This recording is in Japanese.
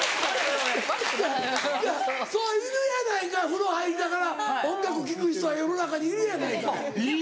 いるやないかい風呂入りながら音楽聴く人は世の中にいるやないかい。